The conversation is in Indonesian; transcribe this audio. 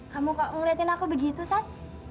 kamu kok ngeliatin aku begitu sat